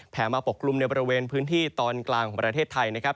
มาปกกลุ่มในบริเวณพื้นที่ตอนกลางของประเทศไทยนะครับ